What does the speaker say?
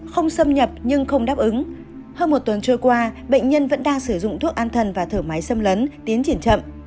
không xâm nhập nhưng không đáp ứng hơn một tuần trôi qua bệnh nhân vẫn đang sử dụng thuốc an thần và thở máy xâm lấn tiến triển chậm